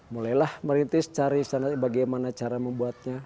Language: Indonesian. mulailah merintis cari bagaimana cara membuatnya